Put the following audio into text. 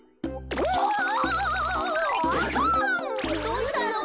どうしたの？